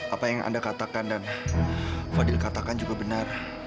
apa yang anda katakan dan fadil katakan juga benar